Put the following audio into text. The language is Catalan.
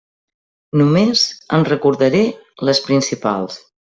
Només en recordaré les principals.